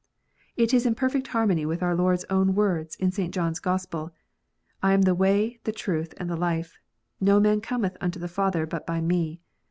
It is in perfect harmony with our Lord s own words in St. John s Gospel, "I am the way, the truth, and the life : no man cometh unto the Father, but by "Me."